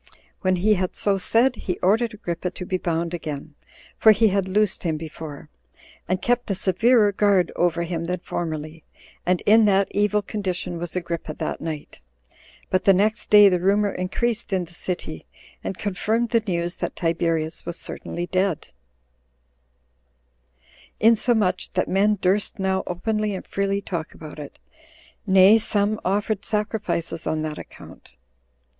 When he had so said, he ordered Agrippa to be bound again, [for he had loosed him before,] and kept a severer guard over him than formerly, and in that evil condition was Agrippa that night; but the next day the rumor increased in the city, and confirmed the news that Tiberius was certainly dead; insomuch that men durst now openly and freely talk about it; nay, some offered sacrifices on that account.